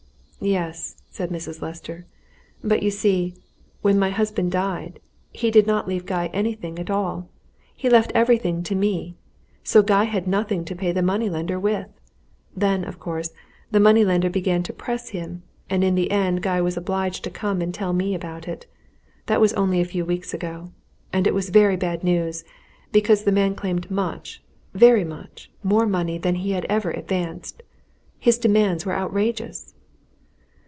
"Yes," said Mrs. Lester, "but, you see, when my husband died, he did not leave Guy anything at all! He left everything to me. So Guy had nothing to pay the money lender with. Then, of course, the money lender began to press him, and in the end Guy was obliged to come and tell me all about it. That was only a few weeks ago. And it was very bad news, because the man claimed much very much more money than he had ever advanced. His demands were outrageous!"